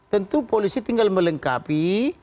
tentu polisi tinggal melengkapi